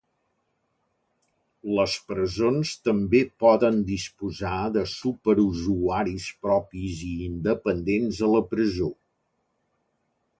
Les presons també poden disposar de superusuaris propis i independents a la presó.